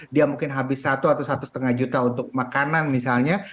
dia mungkin habis satu atau satu lima juta untuk makanan misalnya